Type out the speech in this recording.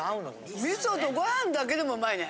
味噌とご飯だけでもうまいね。